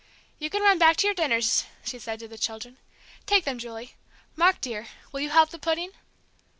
"You can run back to your dinners," said she to the children. "Take them, Julie. Mark, dear, will you help the pudding?"